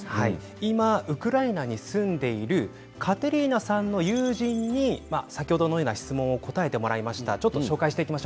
今ウクライナに住んでいるカテリーナさんの友人に先ほどのような質問に答えてもらいました。